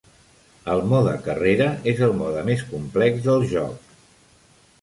El Mode Carrera és el mode més complex del joc.